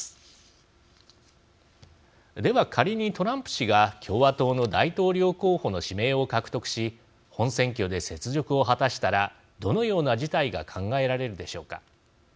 では仮にトランプ氏が共和党の大統領候補の指名を獲得し本選挙で雪辱を果たしたらどのような事態が考えられるでしょうか。